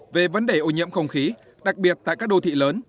về vấn đề ô nhiễm không khí đặc biệt tại các đô thị lớn